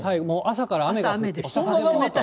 もう朝から雨が降って。